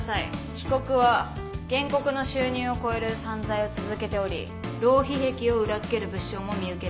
被告は原告の収入を超える散財を続けており浪費癖を裏付ける物証も見受けられました。